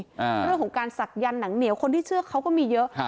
เรื่องของการศักยันต์หนังเหนียวคนที่เชื่อเขาก็มีเยอะครับ